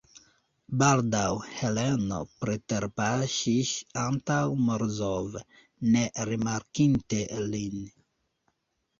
Baldaŭ Heleno preterpaŝis antaŭ Morozov, ne rimarkinte lin.